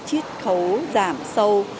chiết khấu giảm sâu